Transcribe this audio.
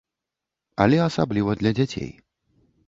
Але асабліва для дзяцей.